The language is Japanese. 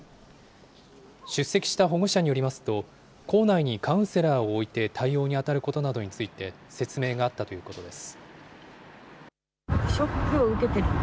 出席した保護者によりますと、校内にカウンセラーを置いて対応に当たることなどについて、説明があったということです。